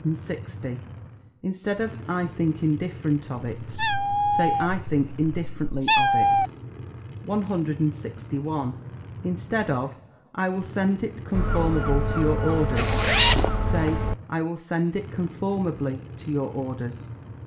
Instead of "I think indifferent of it," say "I think indifferently of it." 161. Instead of "I will send it conformable to your orders," say "I will send it conformably to your orders."